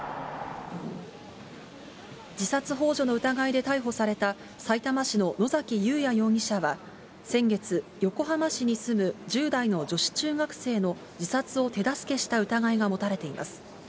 自殺ほう助の疑いで逮捕されたさいたま市の野崎祐也容疑者は先月、横浜市に住む１０代の女子中学生の自殺を手助けした疑いが持たれています。